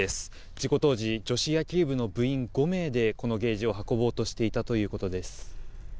事故当時女子野球部の部員５名でこのケージを運ぼうとしていたということです。